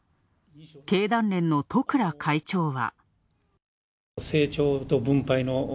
経団連の十倉会長は。